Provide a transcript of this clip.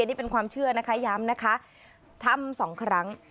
นี่เป็นความเชื่อนะคะย้ำนะคะทำสองครั้ง